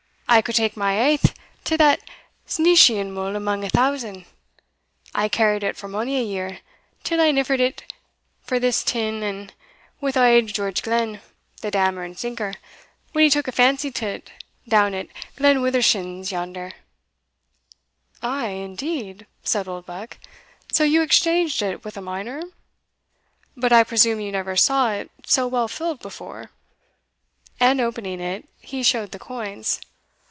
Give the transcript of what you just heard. I could take my aith to that sneeshing mull amang a thousand I carried it for mony a year, till I niffered it for this tin ane wi' auld George Glen, the dammer and sinker, when he took a fancy till't doun at Glen Withershins yonder." "Ay! indeed?" said Oldbuck; "so you exchanged it with a miner? but I presume you never saw it so well filled before" and opening it, he showed the coins.